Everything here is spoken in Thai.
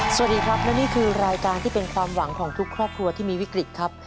สวัสดีครับและนี่คือรายการที่เป็นความหวังของทุกครอบครัวที่มีวิกฤตครับ